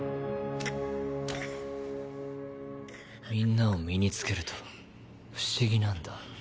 現在みんなを身につけると不思議なんだ。